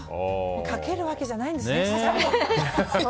かけるわけじゃないんですね。